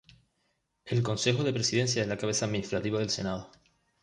El Consejo de Presidencia es la cabeza administrativa del Senado.